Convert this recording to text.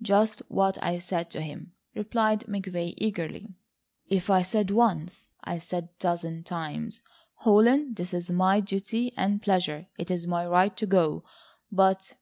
"Just what I said to him," replied McVay eagerly. "If I said once, I said a dozen times: 'Holland, it is my duty and pleasure, it is my right to go,' but